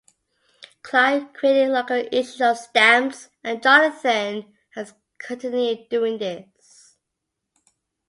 Clive created local issues of stamps, and Jonathan has continued doing this.